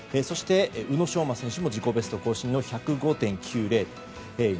そして、宇野昌磨選手も自己ベストを更新の１０５．９０。